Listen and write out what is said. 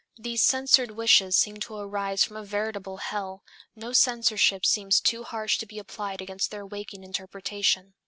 These censored wishes seem to arise from a veritable hell; no censorship seems too harsh to be applied against their waking interpretation.